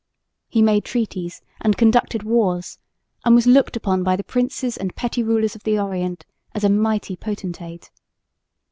He made treaties and conducted wars and was looked upon by the princes and petty rulers of the Orient as a mighty potentate.